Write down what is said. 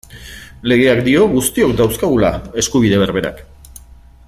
Legeak dio guztiok dauzkagula eskubide berberak.